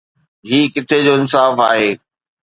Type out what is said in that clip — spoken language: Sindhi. هي ڪٿي جو انصاف آهي؟